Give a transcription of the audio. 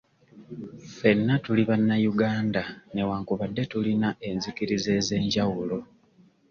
Ffenna tuli bannayuganda newankubadde tulina enzikiriza ez'enjawulo.